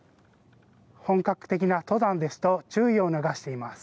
本格的な登山ですと注意を促しています。